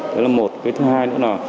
đó là một cái thứ hai nữa là